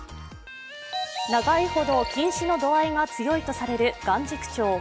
長いほど近視の度合いが強いとされる眼軸長。